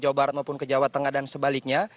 jawa barat maupun ke jawa tengah dan sebaliknya